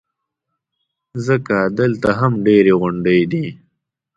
ځکه دلته هم ډېرې غونډۍ دي.